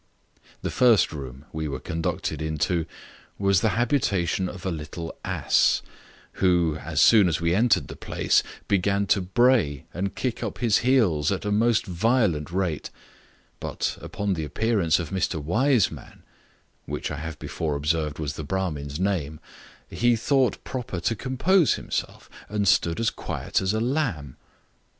The first room we were conducted into was the habitation of a little ass, who, as soon as we entered the place, began to bray, and kick up his heels, at a most violent rate; but, upon the appearance of Mr. Wiseman (which I have before observed was the Bramin's name) he thought proper to compose himself, and stood as quiet as a lamb.